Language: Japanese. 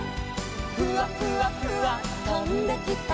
「フワフワフワとんできた」